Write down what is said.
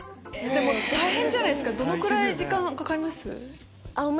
大変じゃないですかどのくらい時間かかります？